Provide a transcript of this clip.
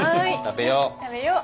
食べよう。